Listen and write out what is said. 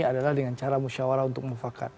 adalah dengan cara musyawarah untuk mufakat